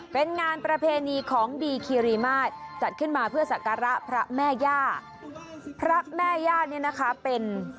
เป็นงานประเพณีของดีคีรีมาตรจัดขึ้นมาเพื่อสักการะพระแม่ย่าพระแม่ย่าเนี่ยนะคะเป็น